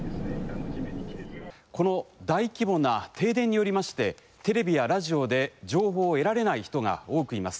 この大規模な停電によりまして、テレビやラジオで情報を得られない人が多くいます。